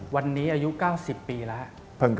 วนนี้อายุ๙๐ปีนะ